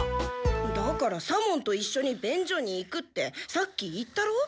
だから左門といっしょに便所に行くってさっき言ったろう？